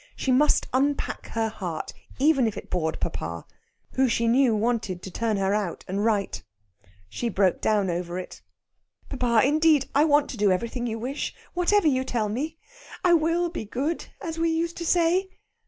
She must unpack her heart, even if it bored papa, who she knew wanted to turn her out and write. She broke down over it. "Oh, papa papa! Indeed, I want to do everything you wish whatever you tell me. I will be good, as we used to say."